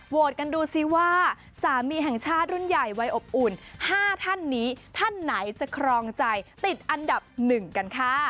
กันดูสิว่าสามีแห่งชาติรุ่นใหญ่วัยอบอุ่น๕ท่านนี้ท่านไหนจะครองใจติดอันดับ๑กันค่ะ